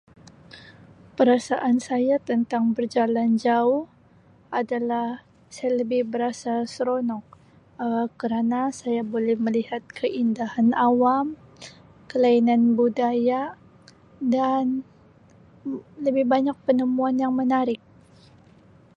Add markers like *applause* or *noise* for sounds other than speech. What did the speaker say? *noise* Perasaan saya tentang berjalan jauh adalah saya lebih berasa seronok Um kerana saya boleh melihat keindahan awam, kelainan budaya dan bu-lebih banyak penemuan yang menarik.